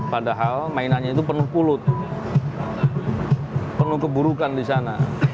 padahal mainannya itu penuh pulut penuh keburukan di sana